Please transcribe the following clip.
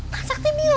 wah kan sakti bilang